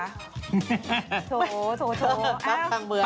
โทษโทษกล้าปหลังบ้าง